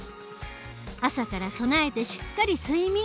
朝から備えてしっかり睡眠。